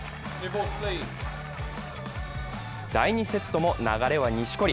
第２セットも流れは錦織。